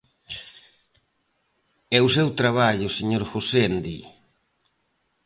¡É o seu traballo, señor Gosende!